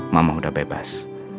mama udah bebas